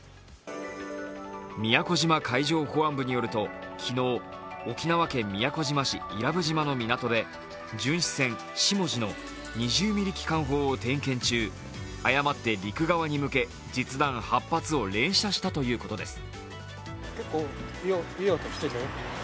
宮古島海上保安部によると昨日、沖縄県宮古島市伊良部島の港で巡視船「しもじ」の２０ミリ機関砲を点検中、誤って陸側に向け、実弾８発を連射したということです。